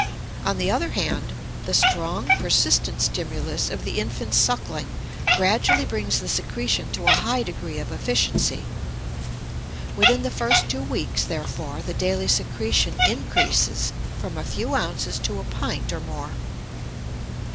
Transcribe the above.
On the other hand, the strong, persistent stimulus of the infant's suckling gradually brings the secretion to a high degree of efficiency. Within the first two weeks, therefore, the daily secretion increases from a few ounces to a pint or more.